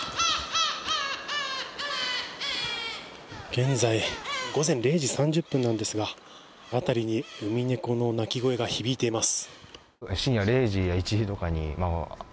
現在午前０時３０分なんですが辺りにウミネコの鳴き声が響いています。